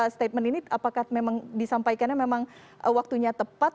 statement ini apakah memang disampaikannya memang waktunya tepat